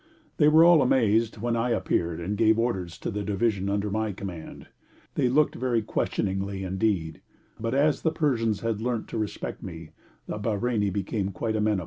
They were all amazed when I appeared and gave orders to the division under my command. They looked very questioningly indeed, but, as the Persians had learnt to respect me, the Bahreini became quite amenable.